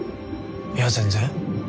いや全然。